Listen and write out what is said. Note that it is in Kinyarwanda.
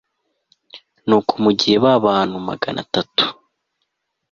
nuko mu gihe ba bantu magana atatu